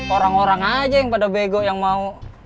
orang orang aja yang pada bego yang mau